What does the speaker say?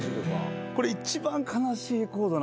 これ一番悲しいコード